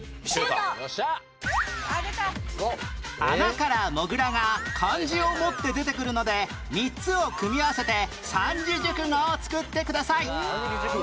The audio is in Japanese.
穴からモグラが漢字を持って出てくるので３つを組み合わせて三字熟語を作ってください